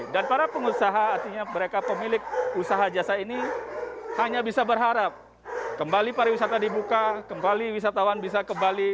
dan para pengusaha artinya mereka pemilik usaha jasa ini hanya bisa berharap kembali pariwisata dibuka kembali wisatawan bisa kembali